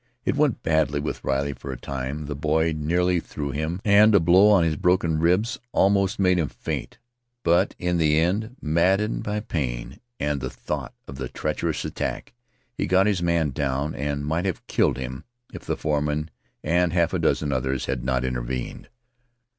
It went badly with Riley for a time; the boy nearly threw him, and a blow on his broken ribs almost made him faint, but in the end — maddened by pain and the thought of the treacherous attack — he got his man down and might have killed him if the foreman and half a dozen others had not intervened.